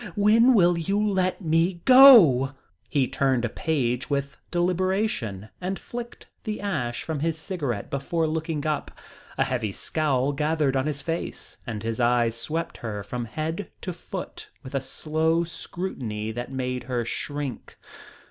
When will you let me go?" He turned a page with deliberation, and flicked the ash from his cigarette before looking up. A heavy scowl gathered on his face, and his eyes swept her from head to foot with a slow scrutiny that made her shrink.